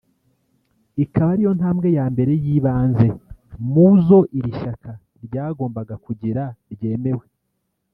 ikaba ariyo ntambwe ya mbere y’ibanze mu zo iri shyaka ryagombaga kugira ngo ryemerwe